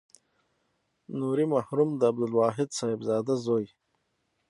نوري مرحوم د عبدالواحد صاحبزاده زوی.